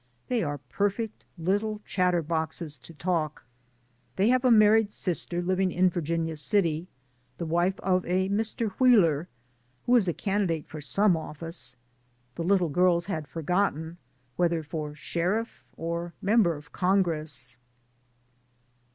They are perfect little chatterboxes to talk. They have a married sister living in Virginia City, the wife of a Mr. Wheeler, who is a candi date for some office. The little girls had forgotten whether for sherifif or Member of Congress.